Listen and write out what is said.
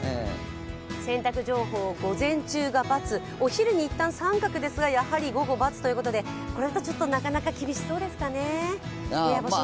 洗濯情報、午前中が×お昼に一旦、△ですが、やはり午後、×ということでこれはなかなか厳しそうですかね。